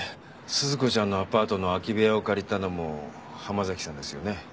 鈴子ちゃんのアパートの空き部屋を借りたのも浜崎さんですよね。